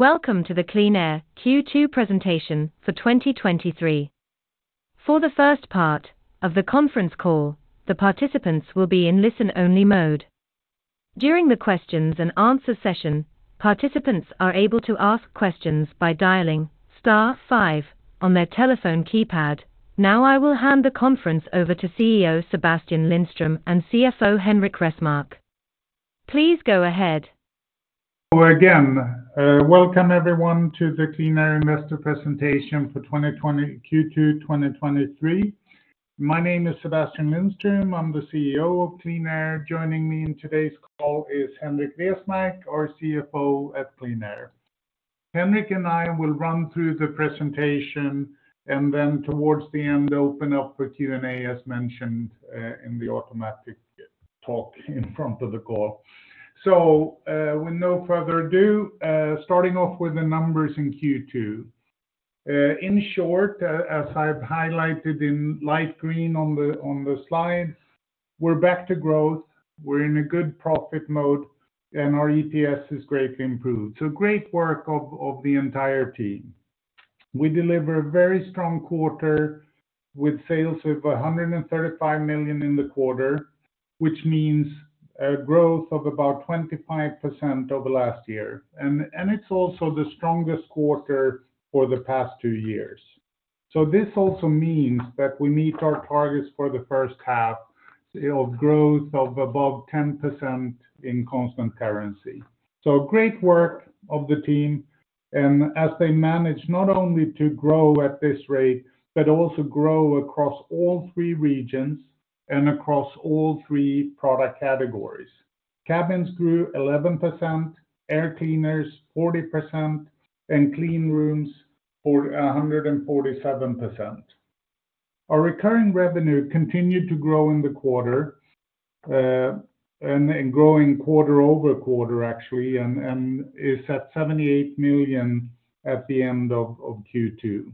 Welcome to the QleanAir Q2 presentation for 2023. For the first part of the Conference call, the participants will be in listen-only mode. During the questions and answer session, participants are able to ask questions by dialing star five on their telephone keypad. Now, I will hand the conference over to CEO Sebastian Lindström and CFO Henrik Resmark. Please go ahead. Again, welcome everyone to the QleanAir Investor Presentation for Q2 2023. My name is Sebastian Lindström. I'm the CEO of QleanAir. Joining me in today's call is Henrik Resmark, our CFO at QleanAir. Henrik and I will run through the presentation, and then towards the end, open up for Q&A, as mentioned, in the automatic talk in front of the call. With no further ado, starting off with the numbers in Q2. In short, as I've highlighted in light green on the slide, we're back to growth, we're in a good profit mode, and our EPS is greatly improved. Great work of the entire team. We deliver a very strong quarter with sales over 135 million in the quarter, which means a growth of about 25% over last year, and it's also the strongest quarter for the past two years. This also means that we meet our targets for the first half, of growth of above 10% in constant currency. Great work of the team, and as they manage not only to grow at this rate, but also grow across all three regions and across all three product categories. Cabin Solutions grew 11%, Air Cleaners, 40%, and Cleanrooms, 147%. Our recurring revenue continued to grow in the quarter, and growing quarter-over-quarter, actually, and is at 78 million at the end of Q2.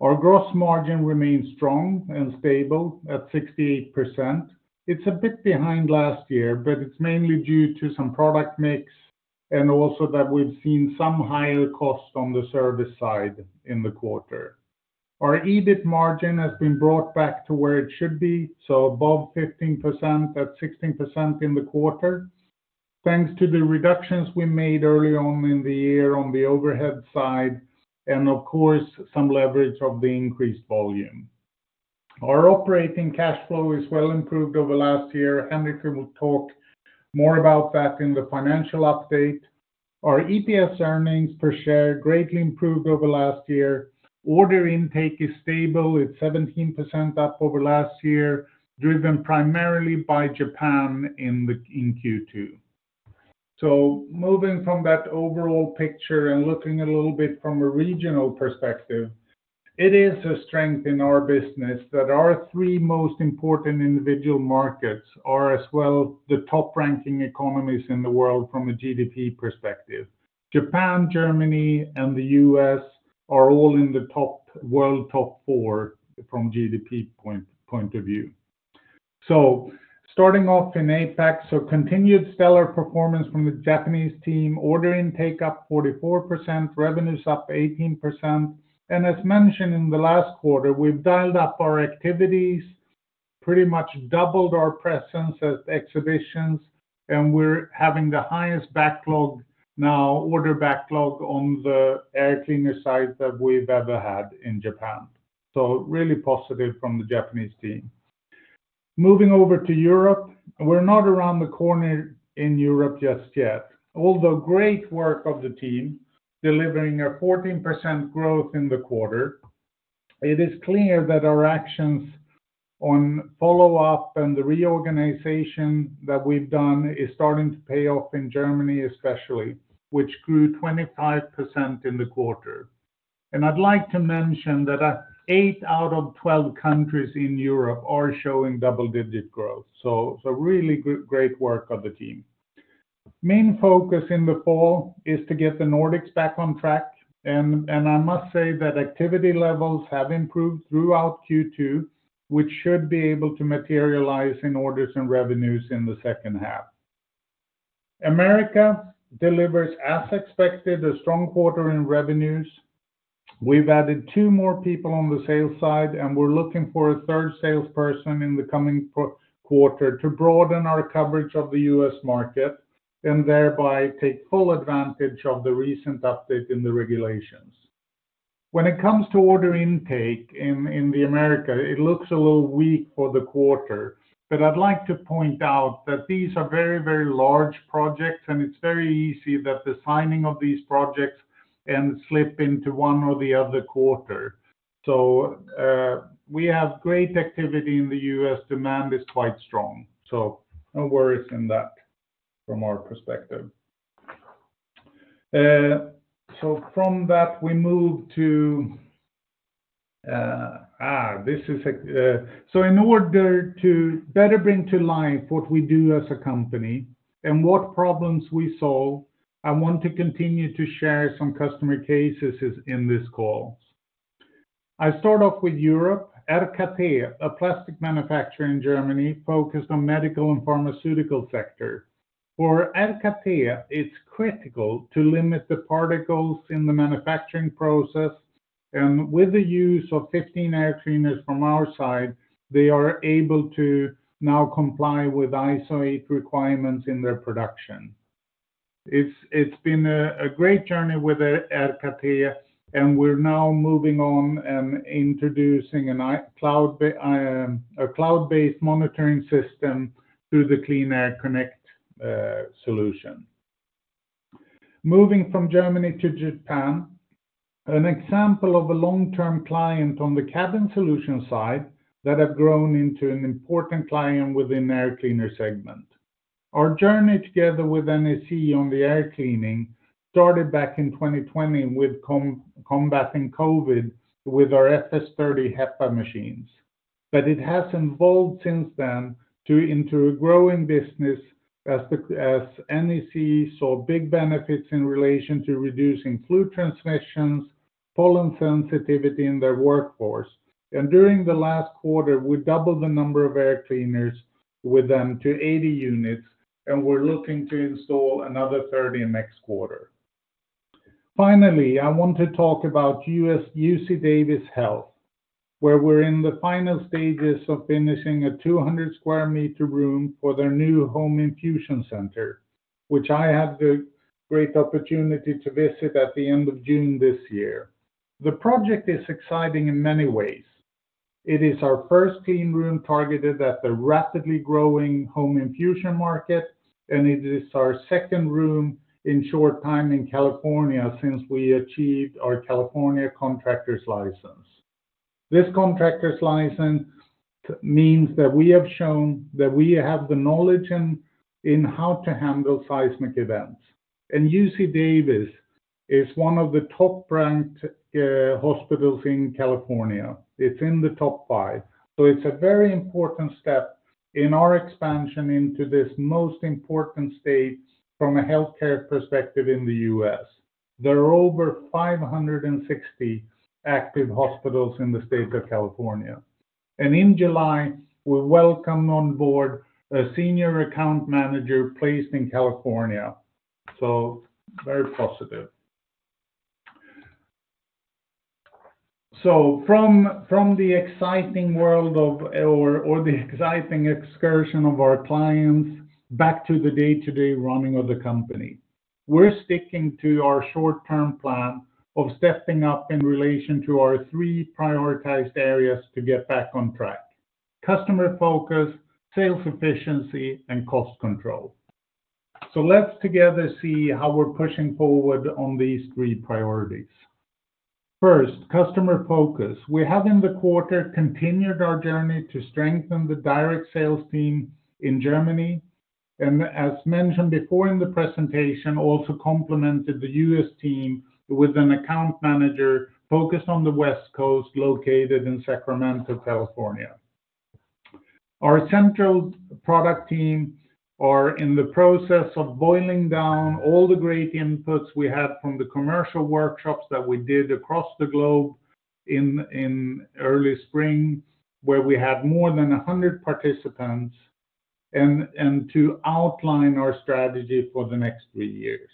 Our gross margin remains strong and stable at 68%. It's a bit behind last year, but it's mainly due to some product mix, and also that we've seen some higher costs on the service side in the quarter. Our EBIT margin has been brought back to where it should be, so above 15%, at 16% in the quarter, thanks to the reductions we made early on in the year on the overhead side, and of course, some leverage of the increased volume. Our operating cash flow is well improved over last year. Henrik will talk more about that in the financial update. Our EPS earnings per share greatly improved over last year. Order intake is stable. It's 17% up over last year, driven primarily by Japan in Q2. Moving from that overall picture and looking a little bit from a regional perspective, it is a strength in our business that our three most important individual markets are as well the top-ranking economies in the world from a GDP perspective. Japan, Germany, and the U.S. are all in the top-world top four from GDP point of view. Starting off in APAC, so continued stellar performance from the Japanese team, order intake up 44%, revenues up 18%. As mentioned in the last quarter, we've dialed up our activities, pretty much doubled our presence at exhibitions, and we're having the highest backlog now, order backlog on the Air Cleaner side than we've ever had in Japan. Really positive from the Japanese team. Moving over to Europe, we're not around the corner in Europe just yet. Although, great work of the team, delivering a 14% growth in the quarter, it is clear that our actions on follow-up and the reorganization that we've done is starting to pay off in Germany, especially, which grew 25% in the quarter. I'd like to mention that 8 out of 12 countries in Europe are showing double-digit growth, so, so really good, great work of the team. Main focus in the fall is to get the Nordics back on track, and I must say that activity levels have improved throughout Q2, which should be able to materialize in orders and revenues in the second half. America delivers, as expected, a strong quarter in revenues. We've added two more people on the sales side, and we're looking for a third salesperson in the coming quarter to broaden our coverage of the U.S. market, and thereby, take full advantage of the recent update in the regulations. When it comes to order intake in America, it looks a little weak for the quarter, but I'd like to point out that these are very, very large projects, and it's very easy that the signing of these projects can slip into one or the other quarter. We have great activity in the U.S., demand is quite strong, so no worries in that from our perspective. From that, we move to... This is a, so in order to better bring to life what we do as a company and what problems we solve, I want to continue to share some customer cases in this call. I start off with Europe. ERKA Technik, a plastic manufacturer in Germany, focused on medical and pharmaceutical sector. For ERKA Technik, it's critical to limit the particles in the manufacturing process, and with the use of 15 Air Cleaners from our side, they are able to now comply with ISO 8 requirements in their production. It's been a great journey with ERKA Technik, and we're now moving on and introducing a cloud-based monitoring system through the QleanAir Connect solution. Moving from Germany to Japan, an example of a long-term client on the Cabin Solutions side that have grown into an important client within the Air Cleaners segment. Our journey together with NEC on the air cleaning started back in 2020 with combating COVID with our FS 30 HEPA machines. It has evolved since then into a growing business as NEC saw big benefits in relation to reducing flu transmissions, pollen sensitivity in their workforce. During the last quarter, we doubled the number of Air Cleaners with them to 80 units, and we're looking to install another 30 next quarter. Finally, I want to talk about UC Davis Health, where we're in the final stages of finishing a 200 sqm room for their new home infusion center, which I had the great opportunity to visit at the end of June this year. The project is exciting in many ways. It is our first Cleanroom targeted at the rapidly growing home infusion market. It is our second room in short time in California since we achieved our California contractor's license. This contractor's license means that we have shown that we have the knowledge in how to handle seismic events. UC Davis is one of the top-ranked hospitals in California. It's in the top five. It's a very important step in our expansion into this most important state from a healthcare perspective in the U.S.. There are over 560 active hospitals in the state of California. In July, we welcomed on board a senior account manager placed in California, so very positive. From the exciting world of or the exciting excursion of our clients, back to the day-to-day running of the company. We're sticking to our short-term plan of stepping up in relation to our three prioritized areas to get back on track: customer focus, sales efficiency, and cost control. Let's together see how we're pushing forward on these three priorities. First, customer focus. We have, in the quarter, continued our journey to strengthen the direct sales team in Germany, and as mentioned before in the presentation, also complemented the U.S. team with an account manager focused on the West Coast, located in Sacramento, California. Our central product team are in the process of boiling down all the great inputs we had from the commercial workshops that we did across the globe in early spring, where we had more than 100 participants, and to outline our strategy for the next three years.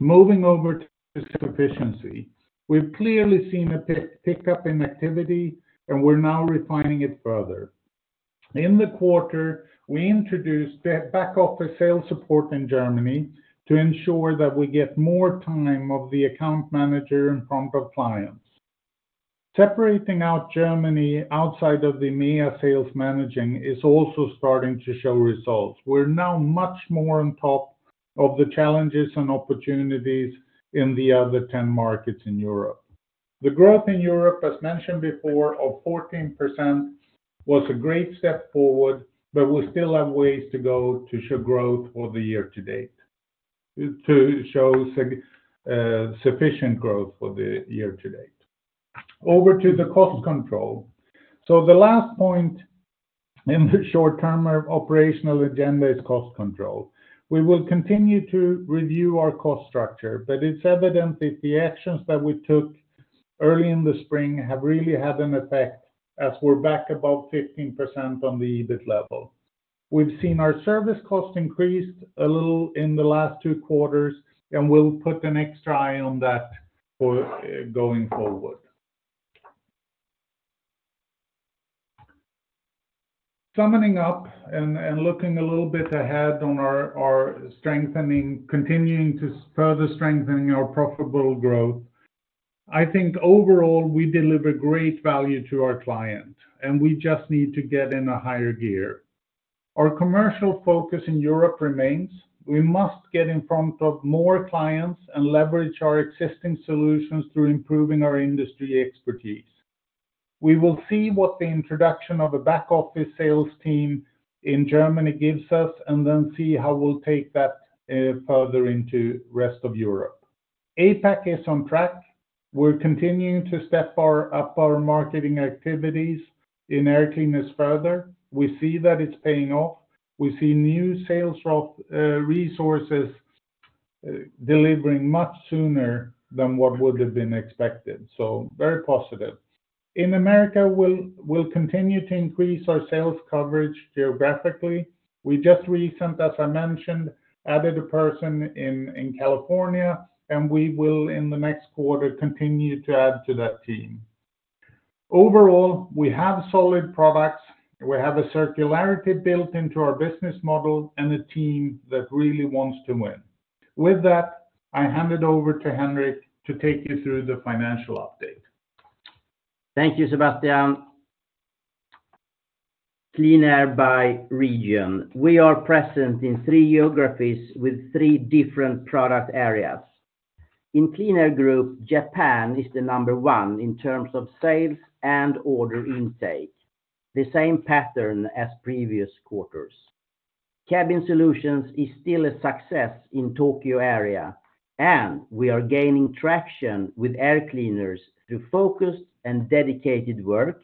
Moving over to efficiency. We've clearly seen a pickup in activity, and we're now refining it further. In the quarter, we introduced the back-office sales support in Germany to ensure that we get more time of the account manager in front of clients. Separating out Germany outside of the EMEA sales managing is also starting to show results. We're now much more on top of the challenges and opportunities in the other 10 markets in Europe. The growth in Europe, as mentioned before, of 14%, was a great step forward, but we still have ways to go to show growth for the year to date, to show sufficient growth for the year to date. Over to the cost control. The last point in the short term, our operational agenda is cost control. We will continue to review our cost structure. It's evident that the actions that we took early in the spring have really had an effect as we're back about 15% on the EBIT level. We've seen our service cost increased a little in the last two quarters, and we'll put an extra eye on that for going forward. Summing up, looking a little bit ahead on our, our strengthening, continuing to further strengthening our profitable growth, I think overall, we deliver great value to our client, and we just need to get in a higher gear. Our commercial focus in Europe remains. We must get in front of more clients and leverage our existing solutions through improving our industry expertise. We will see what the introduction of a back-office sales team in Germany gives us, and then see how we'll take that further into rest of Europe. APAC is on track. We're continuing to step far up our marketing activities in Air Cleaners further. We see that it's paying off. We see new sales rep resources delivering much sooner than what would have been expected, so very positive. In America, we'll continue to increase our sales coverage geographically. We just recent, as I mentioned, added a person in California, and we will, in the next quarter, continue to add to that team. Overall, we have solid products, we have a circularity built into our business model, and a team that really wants to win. With that, I hand it over to Henrik to take you through the financial update. Thank you, Sebastian. QleanAir by region. We are present in three geographies with three different product areas. In QleanAir Group, Japan is the number one in terms of sales and order intake, the same pattern as previous quarters. Cabin Solutions is still a success in Tokyo area. We are gaining traction with Air Cleaners through focused and dedicated work.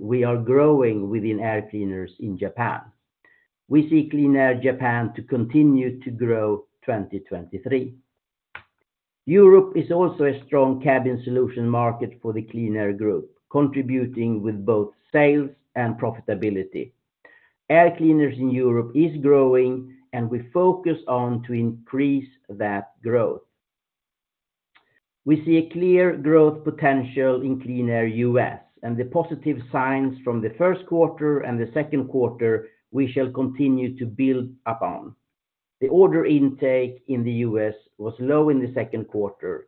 We are growing within Air Cleaners in Japan. We see QleanAir Japan to continue to grow 2023. Europe is also a strong Cabin Solutions market for the QleanAir Group, contributing with both sales and profitability. Air Cleaners in Europe is growing. We focus on to increase that growth. We see a clear growth potential in QleanAir U.S.. The positive signs from the 1st quarter and the 2nd quarter, we shall continue to build upon. The order intake in the U.S. was low in the second quarter,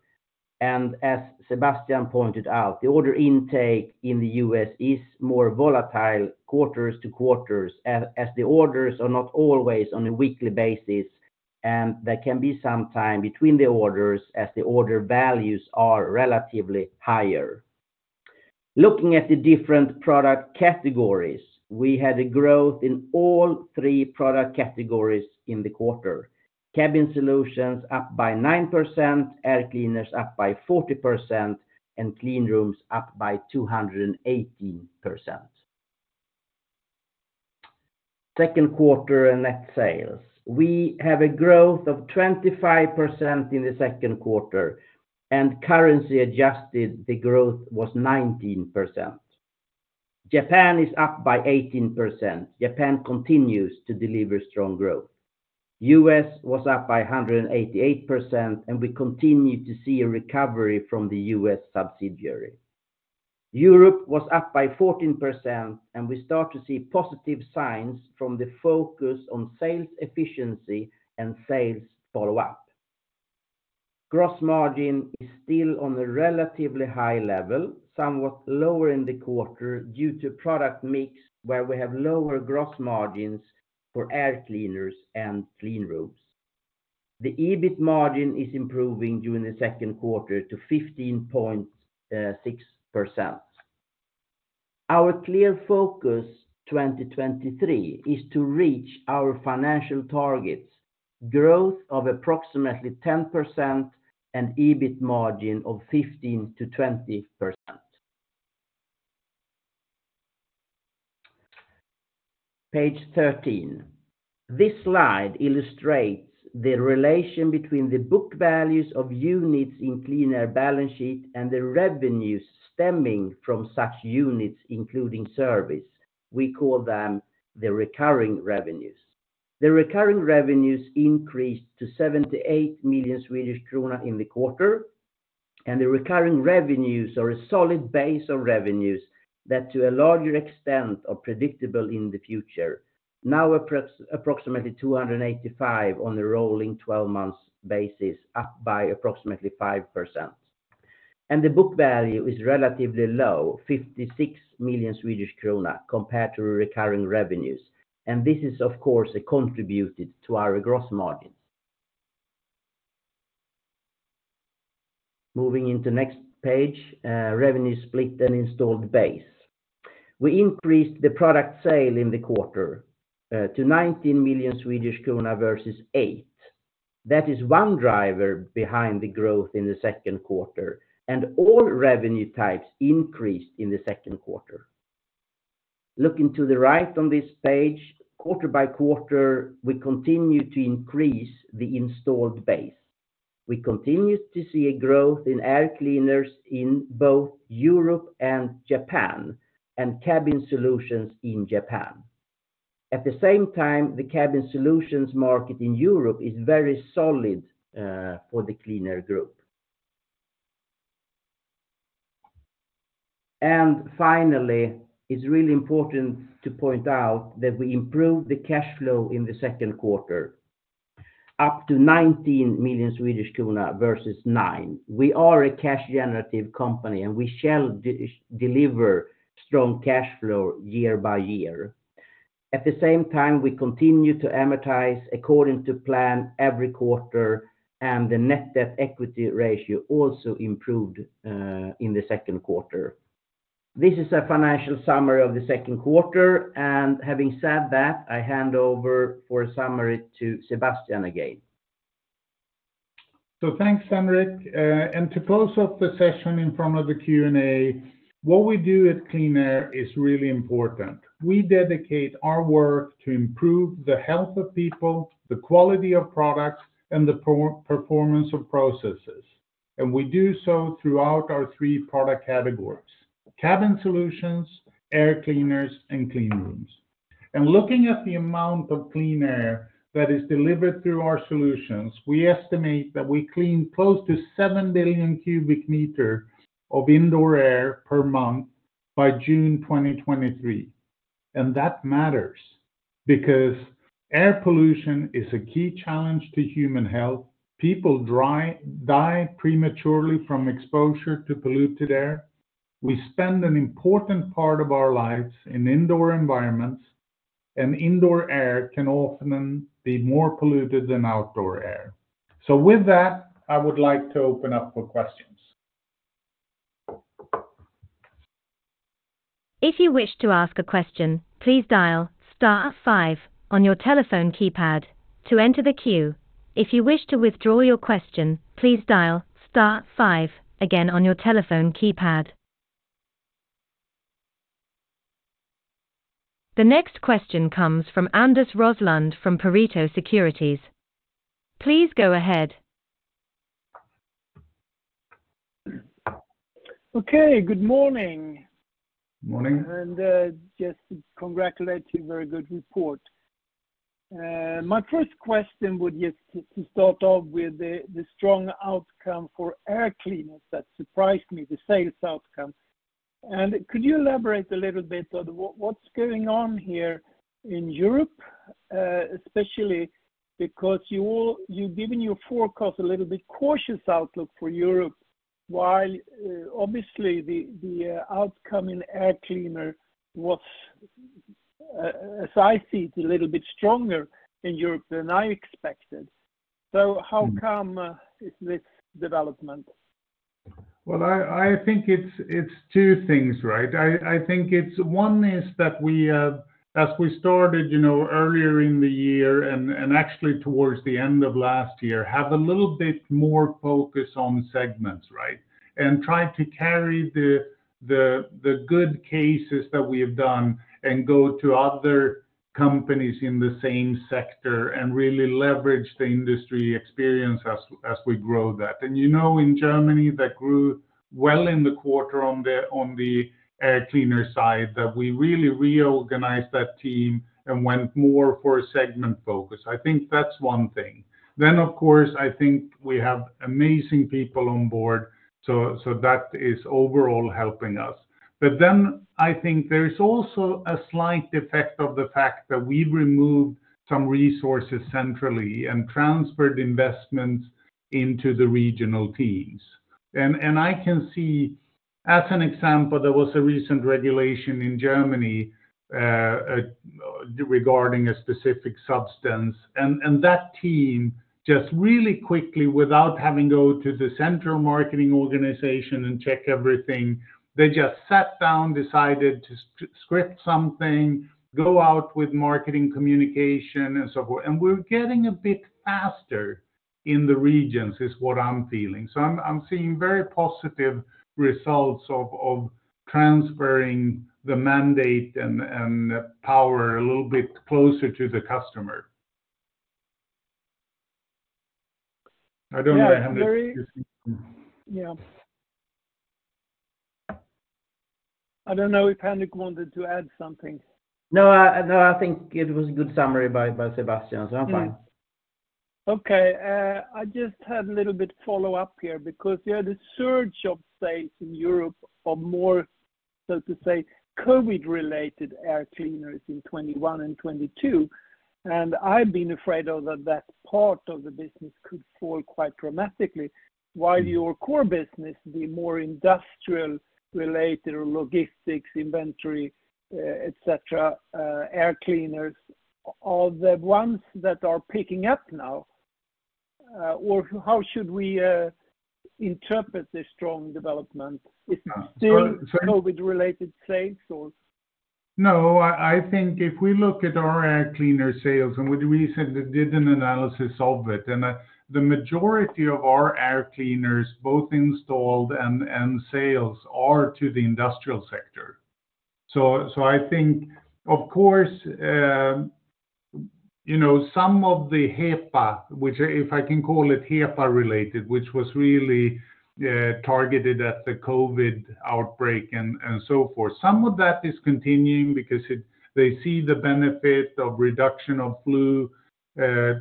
as Sebastian pointed out, the order intake in the U.S. is more volatile quarters to quarters as the orders are not always on a weekly basis, and there can be some time between the orders as the order values are relatively higher. Looking at the different product categories, we had a growth in all three product categories in the quarter. Cabin Solutions up by 9%, Air Cleaners up by 40%, Clean Rooms up by 218%. Second quarter. Net sales. We have a growth of 25% in the second quarter. Currency adjusted, the growth was 19%. Japan is up by 18%. Japan continues to deliver strong growth. U.S. was up by 188%. We continue to see a recovery from the U.S. subsidiary. Europe was up by 14%. We start to see positive signs from the focus on sales efficiency and sales follow-up. Gross margin is still on a relatively high level, somewhat lower in the quarter due to product mix, where we have lower gross margins for air cleaners and clean rooms. The EBIT margin is improving during the second quarter to 15.6%. Our clear focus 2023 is to reach our financial targets, growth of approximately 10% and EBIT margin of 15%-20%. Page 13. This slide illustrates the relation between the book values of units in QleanAir balance sheet and the revenues stemming from such units, including service. We call them the recurring revenues. The recurring revenues increased to 78 million Swedish krona in the quarter, and the recurring revenues are a solid base of revenues that, to a larger extent, are predictable in the future. Now, approximately 285 million on a rolling 12-months basis, up by approximately 5%. The book value is relatively low, 56 million Swedish krona, compared to recurring revenues. This is, of course, contributed to our gross margins. Moving into next page, revenue split and installed base. We increased the product sale in the quarter to 19 million Swedish krona versus 8 million. That is one driver behind the growth in the second quarter, and all revenue types increased in the second quarter. Looking to the right on this page, quarter by quarter, we continue to increase the installed base. We continue to see a growth in Air Cleaners in both Europe and Japan, and Cabin Solutions in Japan. At the same time, the Cabin Solutions market in Europe is very solid for QleanAir. Finally, it's really important to point out that we improved the cash flow in the second quarter, up to 19 million Swedish krona versus 9 million. We are a cash generative company, and we shall deliver strong cash flow year by year. At the same time, we continue to amortize according to plan every quarter, and the net debt-equity-ratio also improved in the second quarter. This is a financial summary of the second quarter. Having said that, I hand over for a summary to Sebastian again. Thanks, Henrik. To close off the session in front of the Q&A, what we do at QleanAir is really important. We dedicate our work to improve the health of people, the quality of products, and the per- performance of processes. We do so throughout our three product categories: Cabin Solutions, Air Cleaners, and Cleanrooms. Looking at the amount of clean air that is delivered through our solutions, we estimate that we clean close to 7 billion m³ of indoor air per month by June 2023. That matters because air pollution is a key challenge to human health. People dry- die prematurely from exposure to polluted air. We spend an important part of our lives in indoor environments. Indoor air can often be more polluted than outdoor air. With that, I would like to open up for questions. If you wish to ask a question, please dial star five on your telephone keypad to enter the queue. If you wish to withdraw your question, please dial star five again on your telephone keypad. The next question comes from Anders Roslund from Pareto Securities. Please go ahead. Okay, good morning. Morning. Just to congratulate you, very good report. My first question would be just to, to start off with the strong outcome for Air Cleaners that surprised me, the sales outcome. Could you elaborate a little bit on what, what's going on here in Europe? Especially because you've given your forecast a little bit cautious outlook for Europe, while obviously the outcome in Air Cleaners was, as I see it, a little bit stronger in Europe than I expected. How come? Mm is this development? Well, I, I think it's, it's two things, right? I, I think it's one is that we have, as we started, you know, earlier in the year and, and actually towards the end of last year, have a little bit more focus on segments, right? Try to carry the, the, the good cases that we have done and go to other companies in the same sector and really leverage the industry experience as, as we grow that. You know, in Germany, that grew well in the quarter on the, on the air cleaner side, that we really reorganized that team and went more for a segment focus. I think that's one thing. Of course, I think we have amazing people on board, so, so that is overall helping us. Then I think there is also a slight effect of the fact that we've removed some resources centrally and transferred investments into the regional teams. I can see, as an example, there was a recent regulation in Germany regarding a specific substance, that team, just really quickly, without having to go to the central marketing organization and check everything, they just sat down, decided to script something, go out with marketing communication, and so forth. We're getting a bit faster in the regions, is what I'm feeling. I'm, I'm seeing very positive results of, of transferring the mandate and, and power a little bit closer to the customer. I don't know, Henrik, if you- Yeah. I don't know if Henrik wanted to add something. No, no, I think it was a good summary by, by Sebastian, so I'm fine. Okay. I just had a little bit follow-up here, because, you know, the surge of sales in Europe are more, so to say, COVID-related air cleaners in 2021 and 2022, and I've been afraid of that, that part of the business could fall quite dramatically. Mm while your core business, the more industrial-related or logistics inventory, et cetera, air cleaners, are the ones that are picking up now. How should we interpret this strong development? Uh, so, so- Is it still COVID-related sales, or? No, I, I think if we look at our Air Cleaners sales, and we recently did an analysis of it, and the majority of our Air Cleaners, both installed and sales, are to the industrial sector. I think, of course, you know, some of the HEPA, which if I can call it HEPA-related, which was really targeted at the COVID outbreak and so forth, some of that is continuing because they see the benefit of reduction of flu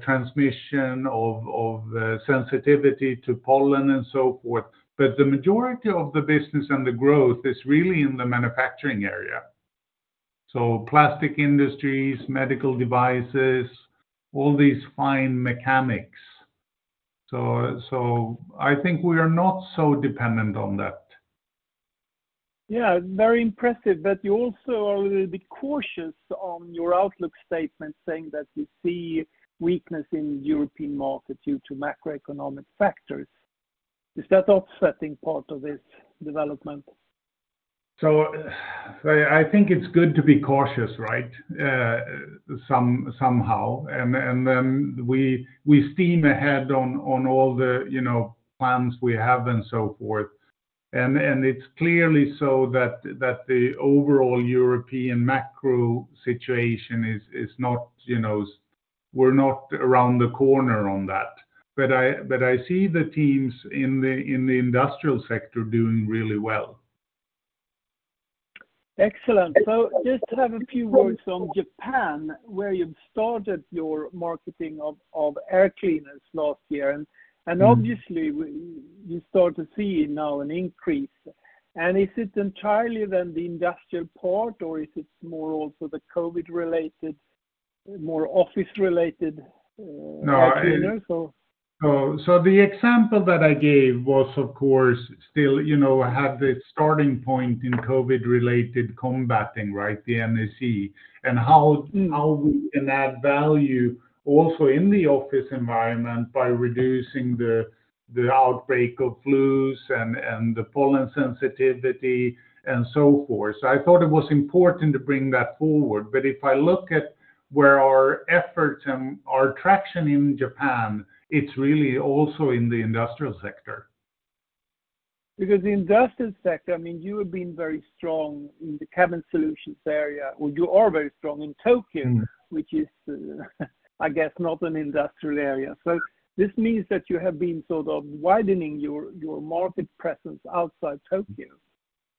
transmission, of sensitivity to pollen, and so forth. The majority of the business and the growth is really in the manufacturing area, so plastic industries, medical devices, all these fine mechanics. I think we are not so dependent on that. Yeah, very impressive. You also are a little bit cautious on your outlook statement, saying that you see weakness in the European market due to macroeconomic factors. Is that offsetting part of this development? I, I think it's good to be cautious, right? Somehow, and, and then we, we steam ahead on, on all the, you know, plans we have and so forth. It's clearly so that, that the overall European macro situation is, is not, you know, we're not around the corner on that. I, but I see the teams in the, in the industrial sector doing really well. Excellent. Just to have a few words on Japan, where you've started your marketing of Air Cleaners last year. Mm. Obviously, you start to see now an increase. Is it entirely then the industrial part, or is it more also the COVID-related, more office-related, air cleaners or? No, the example that I gave was, of course, still, you know, had the starting point in COVID-related combating, right? The MSC, and how- Mm how we can add value also in the office environment by reducing the, the outbreak of flus and, and the pollen sensitivity, and so forth. I thought it was important to bring that forward, but if I look at where our efforts and our traction in Japan, it's really also in the industrial sector. The industrial sector, I mean, you have been very strong in the Cabin Solutions area, or you are very strong in Tokyo. Mm which is, I guess, not an industrial area. This means that you have been sort of widening your, your market presence outside Tokyo?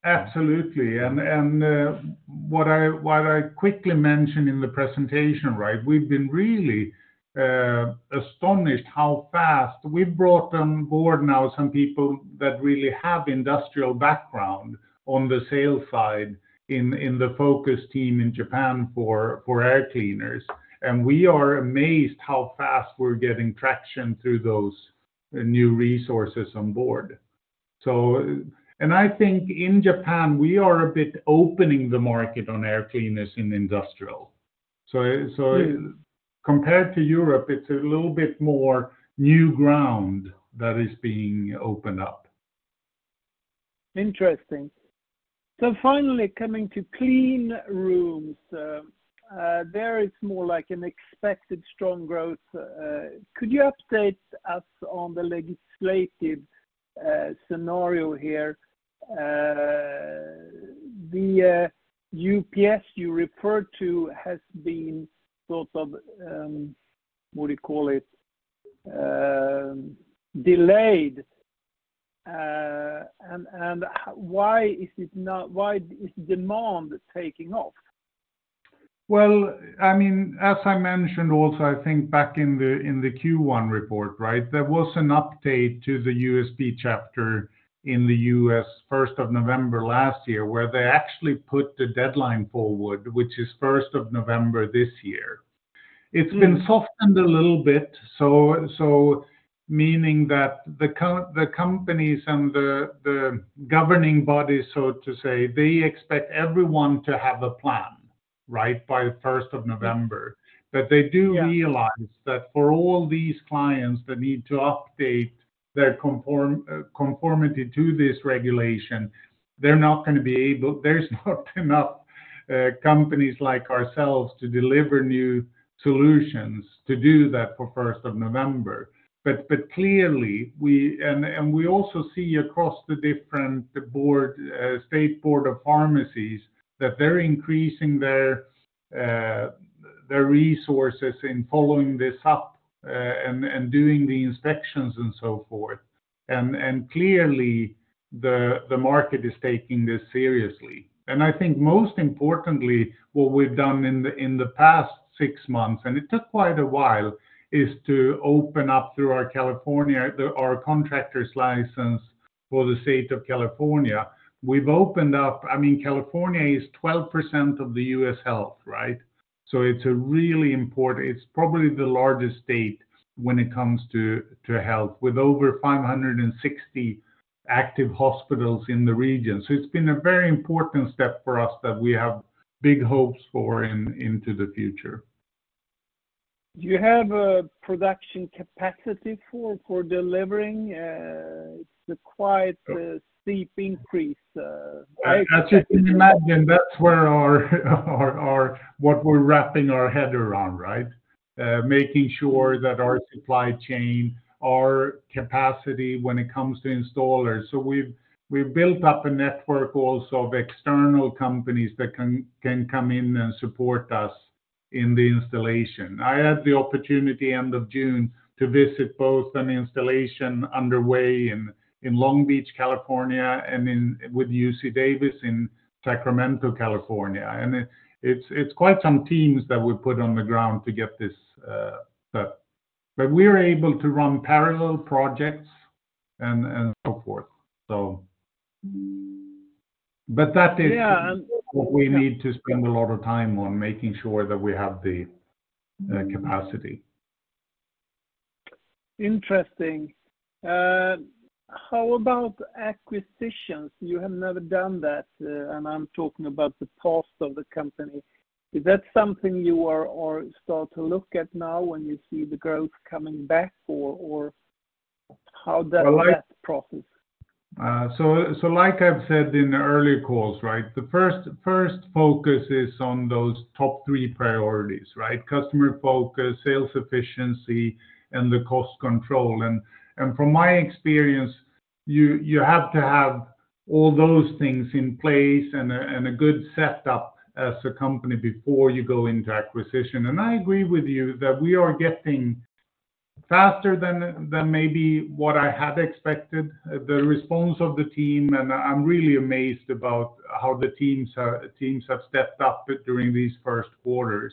Absolutely. And, what I, what I quickly mentioned in the presentation, right, we've been really, astonished how fast... We've brought on board now some people that really have industrial background on the sales side, in, in the focus team in Japan for, for Air Cleaners. We are amazed how fast we're getting traction through those, new resources on board. I think in Japan, we are a bit opening the market on Air Cleaners in industrial. Mm compared to Europe, it's a little bit more new ground that is being opened up. Interesting. Finally, coming to Cleanrooms, there is more like an expected strong growth. Could you update us on the legislative scenario here? The USP you referred to has been sort of, what do you call it? delayed. Why is it not, why is demand taking off? Well, I mean, as I mentioned also, I think back in the, in the Q1 report, right? There was an update to the USP chapter in the U.S., 1st of November last year, where they actually put the deadline forward, which is 1st of November this year. Mm. It's been softened a little bit, so meaning that the companies and the governing bodies, so to say, they expect everyone to have a plan, right, by the 1st of November. Yeah. They do realize that for all these clients that need to update their conformity to this regulation, they're not gonna be able. There's not enough companies like ourselves to deliver new solutions to do that for 1st of November. Clearly, we. We also see across the different board, State Board of Pharmacy, that they're increasing their resources in following this up and doing the inspections and so forth. Clearly, the market is taking this seriously. I think most importantly, what we've done in the past six months, and it took quite a while, is to open up through our California, our contractors license for the state of California. We've opened up. I mean, California is 12% of the US Health, right? It's a really important, it's probably the largest state when it comes to, to health, with over 560 active hospitals in the region. It's been a very important step for us that we have big hopes for into the future. Do you have a production capacity for, for delivering? It's a quite steep increase, right? As you can imagine, that's where our, our, our, what we're wrapping our head around, right? Making sure that our supply chain, our capacity when it comes to installers. We've, we've built up a network also of external companies that can, can come in and support us in the installation. I had the opportunity, end of June, to visit both an installation underway in, in Long Beach, California, and with UC Davis in Sacramento, California. It, it's, it's quite some teams that we put on the ground to get this, but, but we're able to run parallel projects and, and so forth. But that is. Yeah. what we need to spend a lot of time on, making sure that we have the capacity. Interesting. How about acquisitions? You have never done that. I'm talking about the past of the company. Is that something you are start to look at now when you see the growth coming back for how that process? Like I've said in the earlier calls, right. The first, first focus is on those top three priorities, right. Customer focus, sales efficiency, and the cost control. From my experience, you, you have to have all those things in place and a, and a good setup as a company before you go into acquisition. I agree with you that we are getting faster than, than maybe what I had expected, the response of the team, and I'm really amazed about how the teams have stepped up during these first quarters.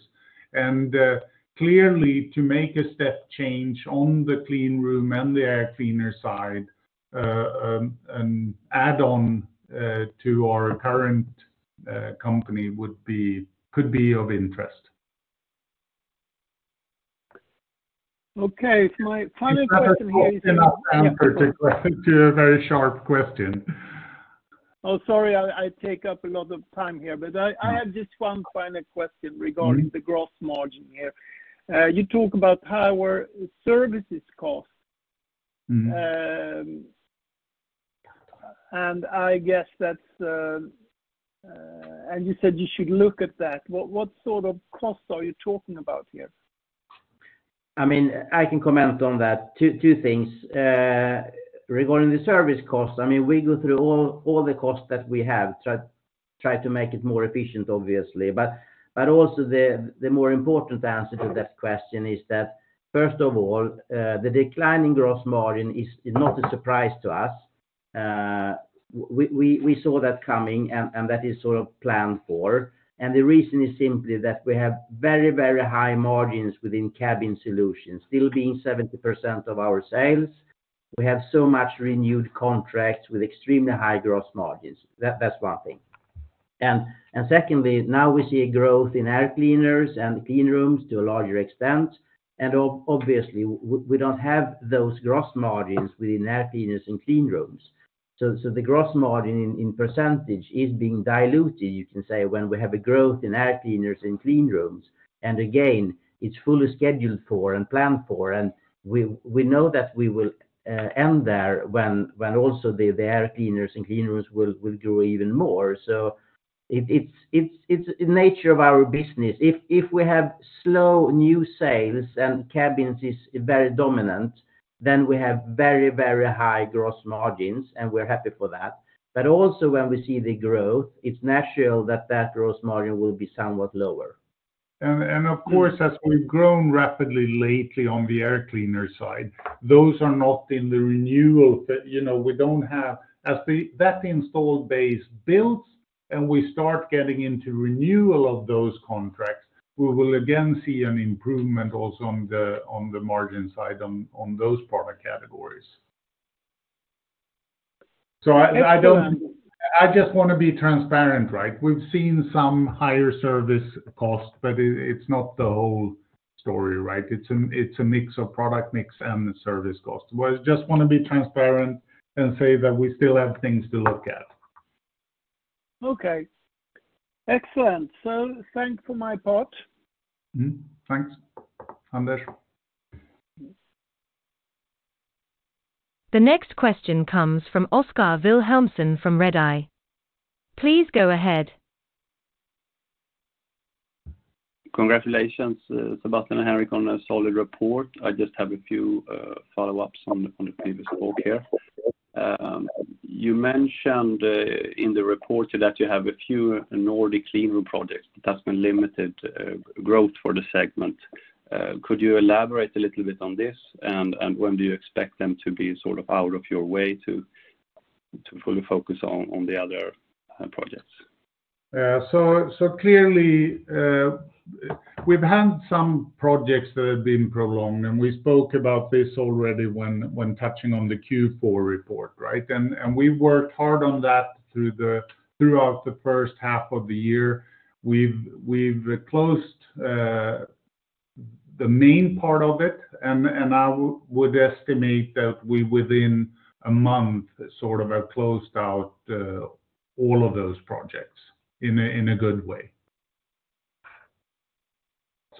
Clearly, to make a step change on the Cleanroom and the Air Cleaner side, an add-on to our current company would be, could be of interest. Okay. My final question here. That is enough, in particular, to a very sharp question. Oh, sorry, I, I take up a lot of time here, but I- Yeah. I have just one final question regarding- Mm-hmm the growth margin here. You talk about higher services cost. Mm-hmm. I guess that's... and you said you should look at that. What, what sort of costs are you talking about here? I mean, I can comment on that. Two things. Regarding the service cost, I mean, we go through all the costs that we have, try to make it more efficient, obviously. Also the more important answer to that question is that, first of all, the declining gross margin is not a surprise to us. We saw that coming, and that is sort of planned for. The reason is simply that we have very, very high margins within Cabin Solutions, still being 70% of our sales. We have so much renewed contracts with extremely high gross margins. That's one thing. Secondly, now we see a growth in Air Cleaners and Cleanrooms to a larger extent, and obviously, we don't have those gross margins within Air Cleaners and Cleanrooms. The gross margin in, in % is being diluted, you can say, when we have a growth in Air Cleaners and Cleanrooms, and again, it's fully scheduled for and planned for, and we, we know that we will end there when, when also the, the Air Cleaners and Cleanrooms will, will grow even more. It, it's, it's, it's the nature of our business. If, if we have slow new sales and Cabins is very dominant, then we have very, very high gross margins, and we're happy for that. Also, when we see the growth, it's natural that that gross margin will be somewhat lower. And of course, as we've grown rapidly lately on the Air Cleaner side, those are not in the renewal. You know, as that install base builds and we start getting into renewal of those contracts, we will again see an improvement also on the, on the margin side on, on those product categories. Excellent. I just want to be transparent, right? We've seen some higher service cost, but it, it's not the whole story, right? It's a, it's a mix of product mix and the service cost. Well, I just want to be transparent and say that we still have things to look at. Okay. Excellent. Thanks for my part. Mm-hmm. Thanks, Anders. The next question comes from Oskar Vilhelmsson from Redeye. Please go ahead. Congratulations, Sebastian and Henrik, on a solid report. I just have a few follow-ups on the previous call here. You mentioned in the report that you have a few Nordic Cleanroom projects that's been limited growth for the segment. Could you elaborate a little bit on this? When do you expect them to be sort of out of your way to fully focus on the other projects? Clearly, we've had some projects that have been prolonged, and we spoke about this already when touching on the Q4 report, right? We worked hard on that throughout the first half of the year. We've closed the main part of it. I would estimate that we within a month, sort of have closed out all of those projects in a good way. Right...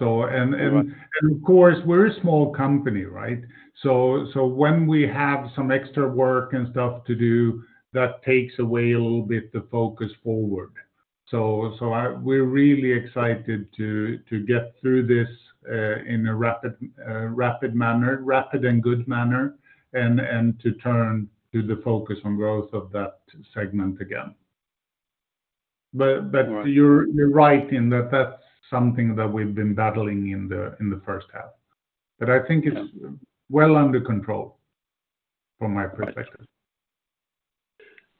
Of course, we're a small company, right? So when we have some extra work and stuff to do, that takes away a little bit the focus forward. So we're really excited to, to get through this in a rapid, rapid manner, rapid and good manner, and to turn to the focus on growth of that segment again. Right you're right in that that's something that we've been battling in the first half. Yeah. I think it's well under control from my perspective.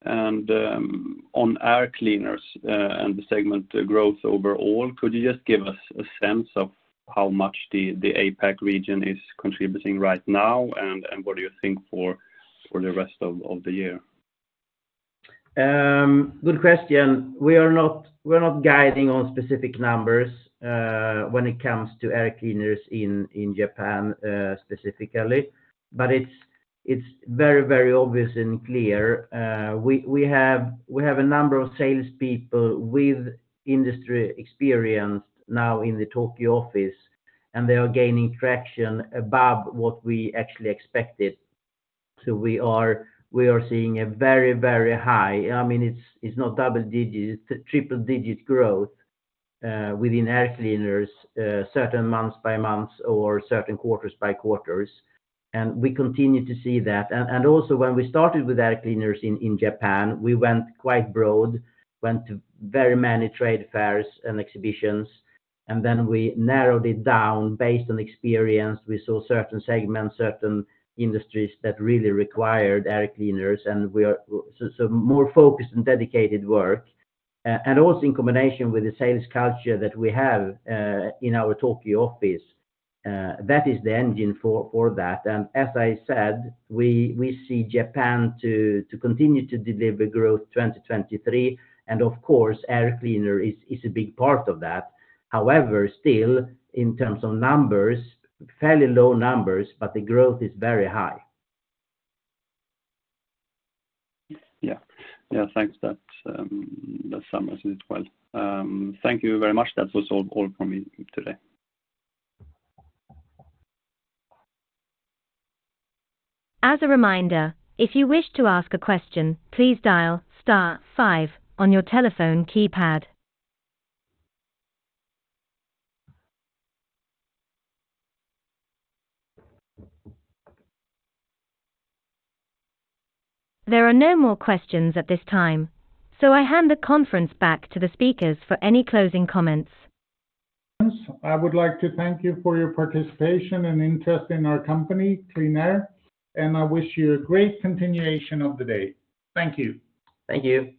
Right. On Air Cleaners, and the segment growth overall, could you just give us a sense of how much the APAC region is contributing right now, and what do you think for the rest of the year? Good question. We are not, we're not guiding on specific numbers when it comes to Air Cleaners in Japan specifically, but it's very, very obvious and clear. We have a number of salespeople with industry experience now in the Tokyo office, and they are gaining traction above what we actually expected. We are seeing a very, very high, it's not double-digit, it's a triple-digit growth within Air Cleaners certain months by months or certain quarters by quarters, and we continue to see that. Also, when we started with Air Cleaners in Japan, we went quite broad, went to very many trade fairs and exhibitions, and then we narrowed it down based on experience. We saw certain segments, certain industries that really required Air Cleaners, we are so, so more focused and dedicated work. Also in combination with the sales culture that we have in our Tokyo office, that is the engine for that. As I said, we, we see Japan to continue to deliver growth 2023, and of course, Air Cleaner is a big part of that. However, still, in terms of numbers, fairly low numbers, but the growth is very high. Yeah. Yeah, thanks. That, that summarizes it well. Thank you very much. That was all, all from me today. As a reminder, if you wish to ask a question, please dial star five on your telephone keypad. There are no more questions at this time, I hand the conference back to the speakers for any closing comments. I would like to thank you for your participation and interest in our company, QleanAir. I wish you a great continuation of the day. Thank you. Thank you.